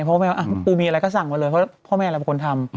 พ่อแม่ว่าครูมีอะไรก็สั่งมาเลยเพราะว่าพ่อแม่อะไรเป็นคนทำ